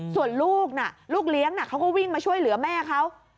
ส่วนลูกน่ะลูกเลี้ยงเขาก็วิ่งมาช่วยเหลือแม่เขา